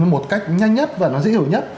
một cách nhanh nhất và nó dễ hiểu nhất